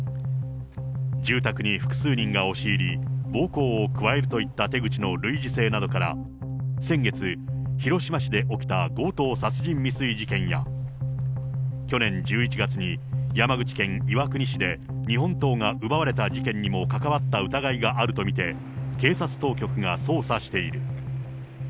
住宅に複数人が押し入り、暴行を加えるといった手口の類似性などから、先月、広島市で起きた強盗殺人未遂事件や、去年１１月に山口県岩国市で日本刀が奪われた事件にも関わった疑いがあると見て、警察当局が捜査している。